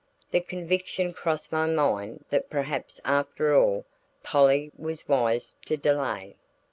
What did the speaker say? The conviction crossed my mind that perhaps after all Polly was wise to delay.